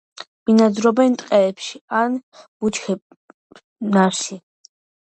ბინადრობენ ტყეებში ან ბუჩქნარში.